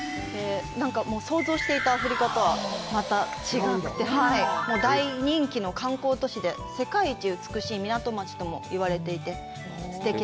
想像していたアフリカとはまた違って、大人気の観光都市で、世界一美しい港町とも言われていて、すてきな。